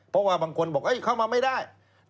เพราะว่าบางคนบอกเข้ามาไม่ได้